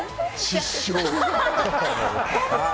失笑。